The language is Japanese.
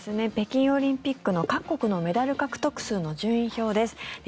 北京オリンピックの各国のメダル獲得数の順位表です。